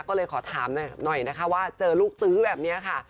ก็เลยขอถามหน่อยนะคะว่าเจอลูกตื้อแบบนี้ค่ะ